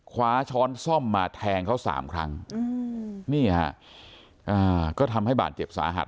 คว้าช้อนซ่อมมาแทงเขาสามครั้งนี่ฮะก็ทำให้บาดเจ็บสาหัส